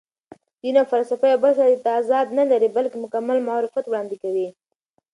دین او فلسفه یو بل سره تضاد نه لري، بلکې مکمل معرفت وړاندې کوي.